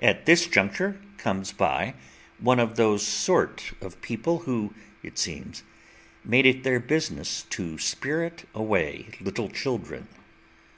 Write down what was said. At this juncture comes by one of those sort of people who, it seems, made it their business to spirit away little children.